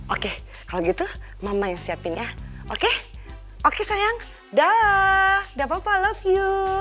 oke kalau gitu mama yang siapin ya oke oke sayang dah gak apa apa love you